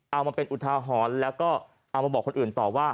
เอามาเป็นอุทาหรณ์แล้วก็เอามาบอกคนอื่นต่อว่า